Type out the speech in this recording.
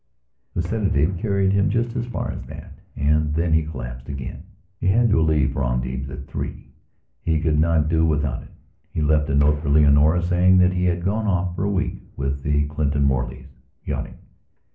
The sedative carried him just as far as that and then he collapsed again. He had to leave for Antibes at three; he could not do without it. He left a note for Leonora saying that he had gone off for a week with the Clinton Morleys, yachting.